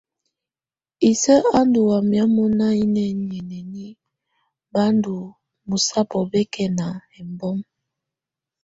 Isǝ́ á ndù waya mɔná inǝniǝ́ nǝni ba ndɔ̀ mɔ̀sabɔ̀á bɛkɛna ɛmbɔma.